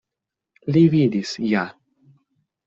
Li vidis ja.